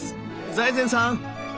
財前さん！